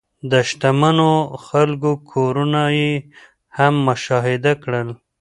د شتمنو خلکو کورونه یې هم مشاهده کړل.